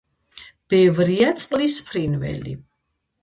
ბევრია წყლის ფრინველი.